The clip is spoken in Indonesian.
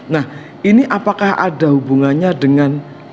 nah ini apakah ada hubungannya dengan